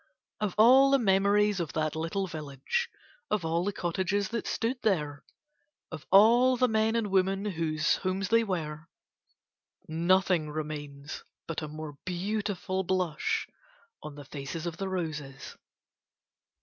Of all the memories of that little village, of all the cottages that stood there, of all the men and women whose homes they were, nothing remains but a more beautiful blush on the faces of the roses.